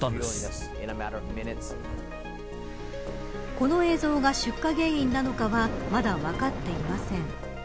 この映像が出火原因なのかはまだ分かっていません。